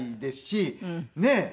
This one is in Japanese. ねえ。